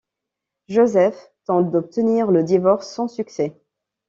Joseph tente d'obtenir le divorce, sans succès.